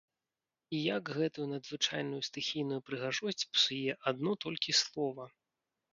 І як гэтую надзвычайную стыхійную прыгажосць псуе адно толькі слова!